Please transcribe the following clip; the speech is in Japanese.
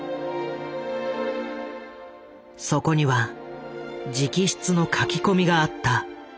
そこには直筆の書き込みがあった。